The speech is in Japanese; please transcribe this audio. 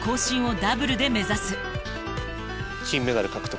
金メダル獲得。